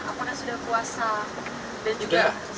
apakah sudah puasa dan juga